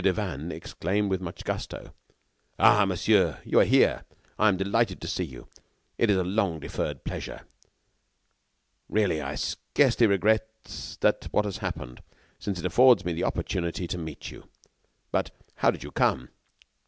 Devanne exclaimed with much gusto: "Ah! monsieur, you are here! I am delighted to see you. It is a long deferred pleasure. Really, I scarcely regret what has happened, since it affords me the opportunity to meet you. But, how did you come?"